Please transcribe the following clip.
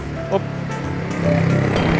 tidak ada yang bisa dihentikan